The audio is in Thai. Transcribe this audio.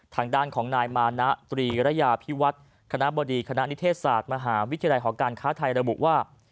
ทางด้านของนายมานะตรีระยาพิวัฒน์คณะบดีคณะนิเทศศาสตร์มหาวิทยาลัยหอการค้าไทยระบุว่า